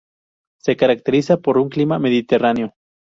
Se caracteriza por un clima mediterráneo.